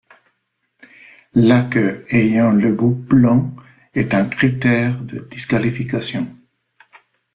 La queue ayant le bout blanc est un critère de disqualification.